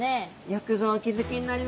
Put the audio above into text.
よくぞお気付きになりました。